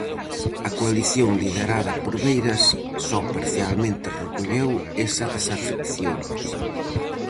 A coalición liderada por Beiras só parcialmente recolleu esa desafección.